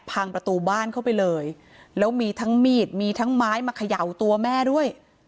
พังประตูบ้านเข้าไปเลยแล้วมีทั้งมีดมีทั้งไม้มาเขย่าตัวแม่ด้วย